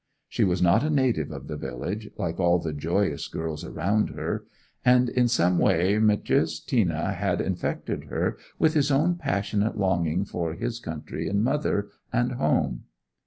She was not a native of the village, like all the joyous girls around her; and in some way Matthäus Tina had infected her with his own passionate longing for his country, and mother, and home.